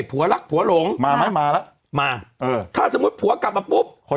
มาแก้บนเพราะว่าผัวกลับมาเขา